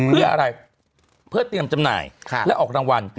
เพื่ออะไรเพื่อเตรียมจำหน่ายและออกรางวัล